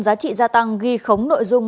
giá trị gia tăng ghi khống nội dung